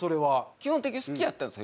基本的に好きやったんですよ